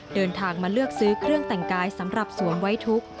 เดินทางมาเลือกซื้อเครื่องแต่งกายสำหรับสวนไว้ทุกข์